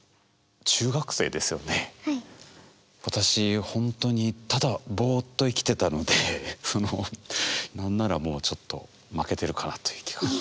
私ほんとにただぼっと生きてたのでその何ならもうちょっと負けてるかなという気が。